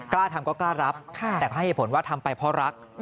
กล้าทำก็กล้ารับแต่ก็ให้เหตุผลว่าทำไปเพราะรัก